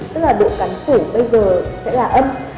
tức là độ cắn cử bây giờ sẽ là âm